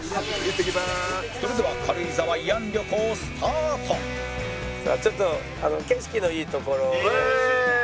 それでは軽井沢慰安旅行スタートさあちょっとあっいい。